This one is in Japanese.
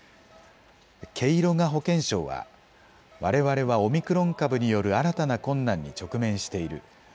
ケイロガ保健相はわれわれはオミクロン株による新たな困難に直面している。